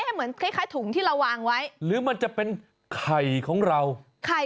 เหมือนรสบาจถุงที่เราวางไว้